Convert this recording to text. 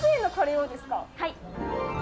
はい。